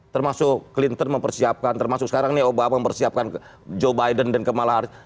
termasuk clinton mempersiapkan termasuk sekarang obama mempersiapkan joe biden dan kamala harris